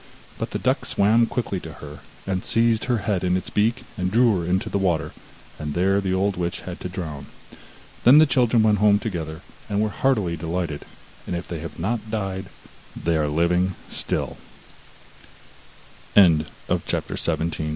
But the duck swam quickly to her, seized her head in its beak and drew her into the water, and there the old witch had to drown. Then the children went home together, and were heartily delighted, and if they have not died, they